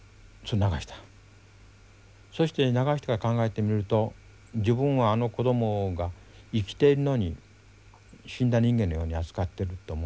そして流してから考えてみると自分はあの子どもが生きているのに死んだ人間のように扱ってると思いましたね。